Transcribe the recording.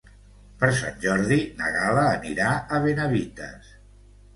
Per Sant Jordi na Gal·la anirà a Benavites.